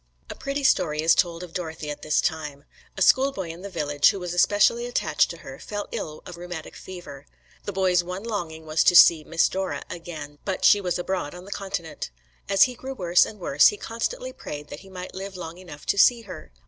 A pretty story is told of Dorothy at this time. A schoolboy in the village, who was especially attached to her, fell ill of rheumatic fever. The boy's one longing was to see "Miss Dora" again, but she was abroad on the Continent. As he grew worse and worse, he constantly prayed that he might live long enough to see her.